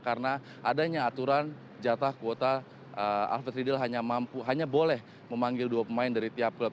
karena adanya aturan jatah kuota alfred riddle hanya boleh memanggil dua pemain dari tiap klub